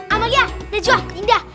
amalia dan jwa dinda